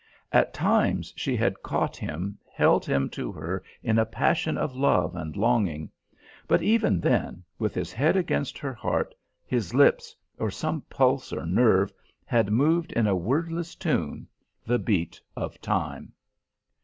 At times she had caught him, held him to her in a passion of love and longing. But even then, with his head against her heart, his lips, or some pulse or nerve, had moved in a wordless tune, the beat of time.